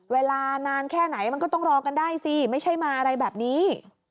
เวลานานแค่ไหนมันก็ต้องรอกันได้สิไม่ใช่มาอะไรแบบนี้